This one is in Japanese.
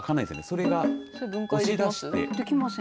それで押し出して。